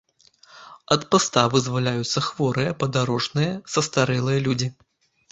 Ад паста вызваляюцца хворыя, падарожныя, састарэлыя людзі.